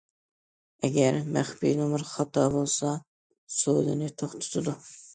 ئەگەر مەخپىي نومۇر خاتا بولسا سودىنى توختىتىدۇ.